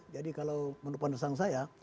jadi kalau menurut pandang saya